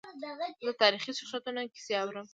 زه د تاریخي شخصیتونو کیسې اورم.